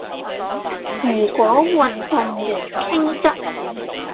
如果運動員傾側